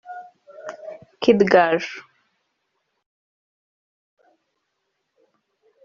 Kid Gaju